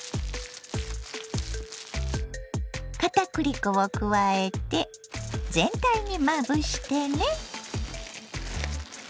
かたくり粉を加えて全体にまぶしてね。